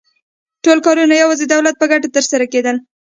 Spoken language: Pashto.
ټول کارونه یوازې د دولت په ګټه ترسره کېدل